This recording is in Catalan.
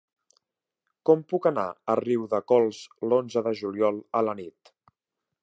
Com puc anar a Riudecols l'onze de juliol a la nit?